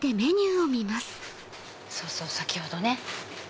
そうそう先ほどね。